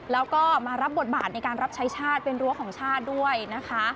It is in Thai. แล้วก็มารับบทบาทในการรับใช้ชาติเป็นรั้วของชาติด้วยนะคะ